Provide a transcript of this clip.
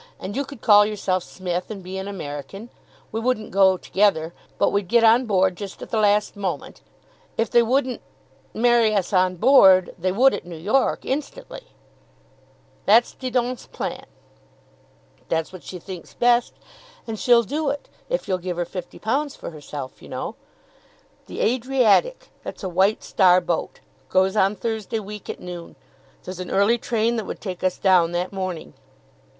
And you could call yourself Smith, and be an American. We wouldn't go together, but we'd get on board just at the last moment. If they wouldn't marry us on board, they would at New York, instantly." "That's Didon's plan?" "That's what she thinks best, and she'll do it, if you'll give her £50 for herself, you know. The 'Adriatic,' that's a White Star boat, goes on Thursday week at noon. There's an early train that would take us down that morning.